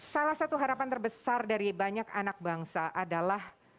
salah satu harapan terbesar dari banyak anak bangsa adalah